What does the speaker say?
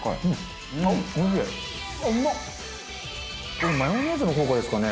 これマヨネーズの効果ですかね？